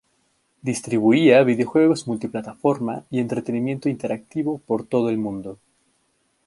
Distribuía videojuegos multiplataforma y entretenimiento interactivo por todo el mundo.